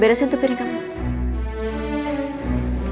beresin tuh piring kamu